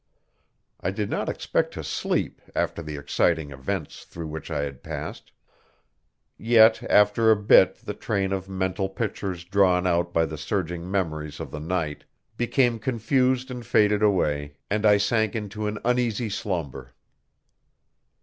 I did not expect to sleep after the exciting events through which I had passed; yet after a bit the train of mental pictures drawn out by the surging memories of the night became confused and faded away, and I sank into an uneasy slumber.